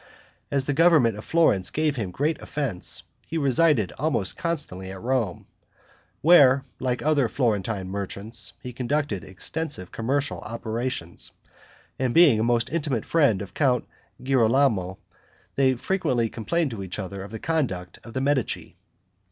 As the government of Florence gave him great offense, he resided almost constantly at Rome, where, like other Florentine merchants, he conducted extensive commercial operations; and being a most intimate friend of Count Girolamo, they frequently complained to each other of the conduct of the Medici.